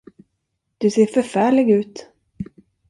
Du ser förfärlig ut.